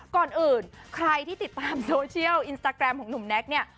ก่อนอื่นใครที่ติดตามโซเชียลอินสตาแกรมของหนุ่มแน็กเนี่ย